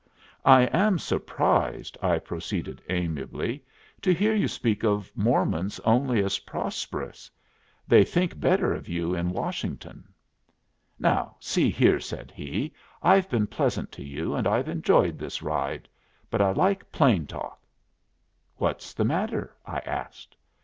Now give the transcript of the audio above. "I am surprised," I proceeded, amiably, "to hear you speak of Mormons only as prosperous. They think better of you in Washington." "Now, see here," said he, "I've been pleasant to you and I've enjoyed this ride. But I like plain talk." "What's the matter?" I asked.